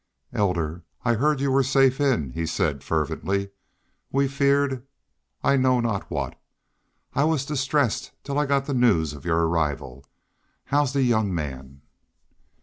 "Elder, I heard you were safe in," he said, fervently. "We feared I know not what. I was distressed till I got the news of your arrival. How's the young man?"